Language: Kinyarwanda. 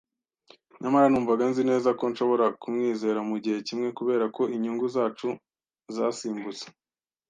Nyamara numvaga nzi neza ko nshobora kumwizera mugihe kimwe, kubera ko inyungu zacu zasimbutse